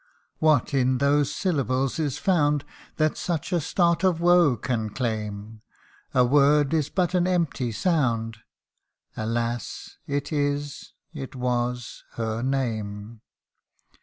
What in those syllables is found, That such a start of woe can claim ? A word is but an empty sound, Alas ! it is it was her name